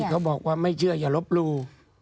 เขาบอกว่าไม่เชื่ออย่าลบหลู่